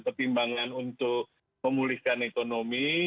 pertimbangan untuk memulihkan ekonomi